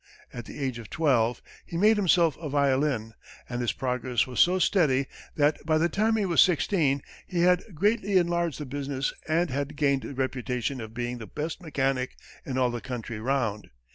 At the age of twelve, he made himself a violin, and his progress was so steady, that by the time he was sixteen, he had greatly enlarged the business and had gained the reputation of being the best mechanic in all the country round.